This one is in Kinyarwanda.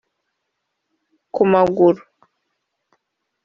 ku maguru